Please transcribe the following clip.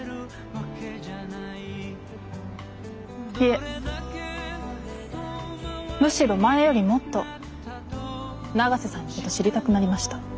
いえむしろ前よりもっと永瀬さんのことを知りたくなりました。